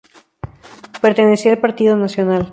Pertenecía al Partido Nacional.